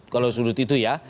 kalau sudut itu ya